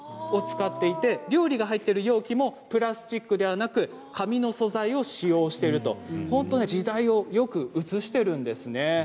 料理が入っている容器はプラスチックではなく紙の素材を使用しているという時代をよく映しているんですね。